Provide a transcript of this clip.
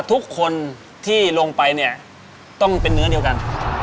ต้องไปเนี่ยต้องเป็นเนื้อเดียวกัน